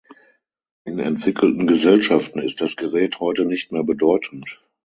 In entwickelten Gesellschaften ist das Gerät heute nicht mehr bedeutend.